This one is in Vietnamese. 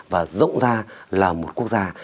và rộng ra là một quốc gia